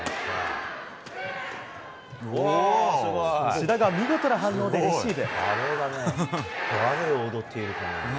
志田が見事な反応でレシーブ。